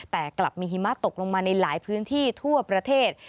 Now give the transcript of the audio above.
แต่กลับมีหิมะตกลงมาในหลายพื้นที่ทั่วประเทศ